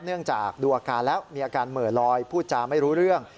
เนื่องจากดูอาการแล้วมีอาการเหมือลอยพูดจาไม่รู้เรื่อง